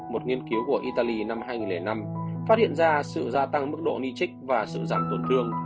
một nghiên cứu của italy năm hai nghìn năm phát hiện ra sự gia tăng mức độ nichix và sự giảm tổn thương